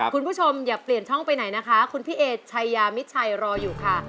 คุณผู้ชมอย่าเปลี่ยนช่องไปไหนนะคะคุณพี่เอชายามิดชัยรออยู่ค่ะ